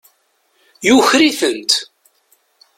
Yuker-itent.